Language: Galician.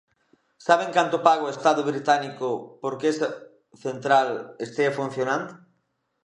¿Saben canto paga o Estado británico por que esa central estea funcionando?